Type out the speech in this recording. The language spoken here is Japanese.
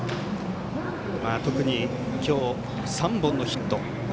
特に今日、３本のヒット。